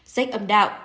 rách âm đạo